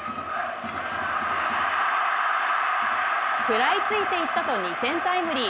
食らいついていったと２点タイムリー。